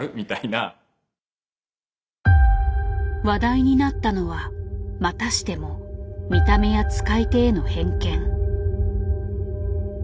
話題になったのはまたしても見た目や使い手への偏見。